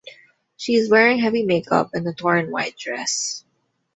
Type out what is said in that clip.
She is wearing heavy makeup and a torn white dress.